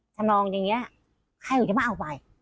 ทำรองจังงี้ด้วยใครจะมาเอาไป